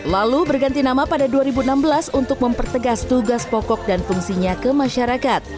lalu berganti nama pada dua ribu enam belas untuk mempertegas tugas pokok dan fungsinya ke masyarakat